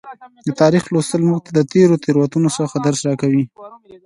د تاریخ لوستل موږ ته د تیرو تیروتنو څخه درس راکوي.